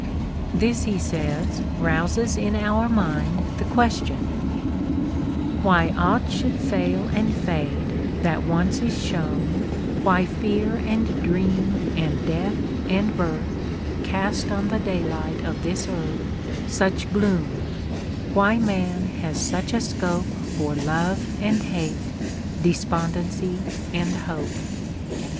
This, he says, rouses in our mind the question: Why aught should fail and fade that once is shown, Why fear and dream and death and birth Cast on the daylight of this earth Such gloom,—why man has such a scope For love and hate, despondency and hope?